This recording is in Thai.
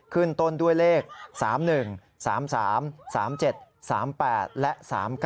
ขึ้นต้นด้วยเลข๓๑๓๓๓๗๓๘และ๓๙